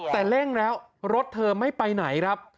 แต่เร่งแล้วรถเธอไม่ไปไหนครับ